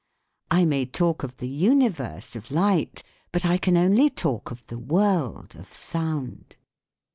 I may talk of the universe of light, but I can only talk of the world of sound.